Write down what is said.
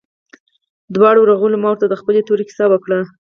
دواړه ورغلو ما ورته د خپلې تورې كيسه وكړه.